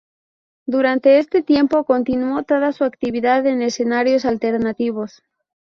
Durante este tiempo continuó toda su actividad en escenarios alternativos.